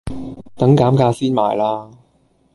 等減價先買啦